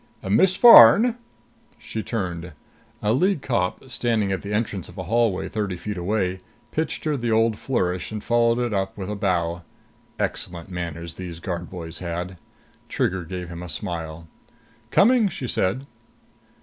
"Miss Farn...." She turned. A League cop, standing at the entrance of a hallway thirty feet away, pitched her the old flourish and followed it up with a bow. Excellent manners these guard boys had! Trigger gave him a smile. "Coming," she said.